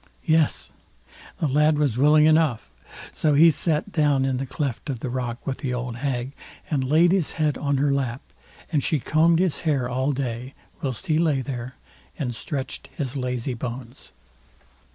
Yes! the lad was willing enough; so he sat down in the cleft of the rock with the old hag, and laid his head on her lap, and she combed his hair all day whilst he lay there, and stretched his lazy bones.